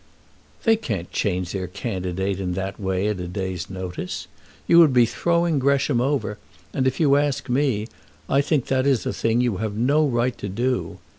"They can't change their candidate in that way at a day's notice. You would be throwing Gresham over, and, if you ask me, I think that is a thing you have no right to do.